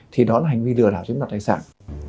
thì đó là hành vi lừa đảo trên mặt đại sản